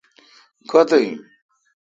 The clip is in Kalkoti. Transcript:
کو°تھہ ان